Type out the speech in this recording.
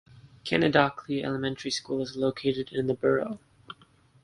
Canadochly Elementary School is located in the borough.